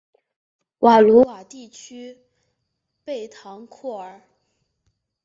瓦卢瓦地区贝唐库尔。